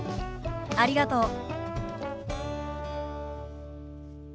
ありがとう。